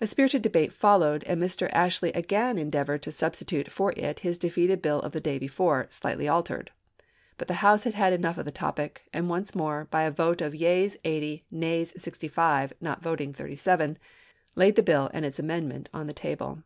A 1865, p. 997 spirited debate followed, and Mr. Ashley again en deavored to substitute for it his defeated bill of the day before, slightly altered. But the House had had enough of the topic, and once more, by a vote of yeas 80, nays 65, not voting 37, laid the bill pIbioo2. and its amendment on the table.